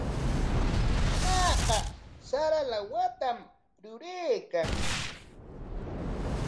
Mamaaqa sara lawatam ruraykan.